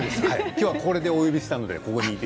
きょうはこれでお呼びしたので。